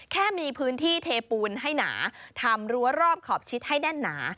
แค่มีพื้นที่เทปูนให้หนาทำรั้วรอบขอบชิดให้แน่นหนา